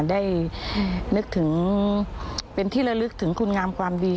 ได้นึกถึงเป็นที่ระลึกถึงคุณงามความดี